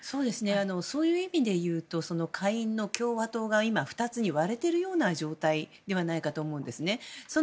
そういう意味で言うと下院の共和党が今、２つに割れているような状態ではないかと思うんですね。